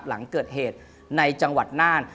หลังเกิดเหตุในจังหวัดน่าน